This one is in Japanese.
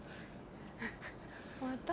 終わった？